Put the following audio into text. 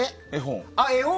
絵本。